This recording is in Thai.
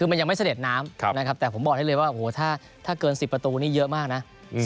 คือมันยังไม่เสด็จน้ำนะครับแต่ผมบอกให้เลยว่าถ้าเกิน๑๐ประตูนี้เยอะมากนะ